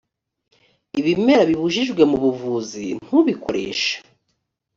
ibimera bibujijwe mu buvuzi ntubikoreshe